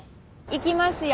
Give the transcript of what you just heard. いきますよ。